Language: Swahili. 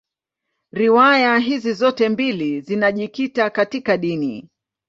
Riwaya hizi zote mbili zinajikita katika dini.